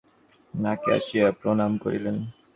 যাত্রার সময় উদয়াদিত্য ও বিভা মাকে আসিয়া প্রণাম করিলেন।